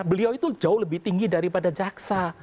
beliau itu jauh lebih tinggi daripada jaksa